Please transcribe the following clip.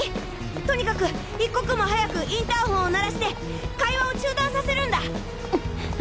とにかく一刻も早くインターホンを鳴らして会話を中断させるんだ！